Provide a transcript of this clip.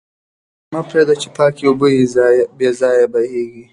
ته مه پرېږده چې پاکې اوبه بې ځایه بهېږي.